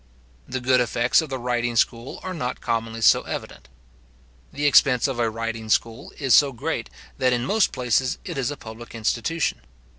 The good effects of the riding school are not commonly so evident. The expense of a riding school is so great, that in most places it is a public institution.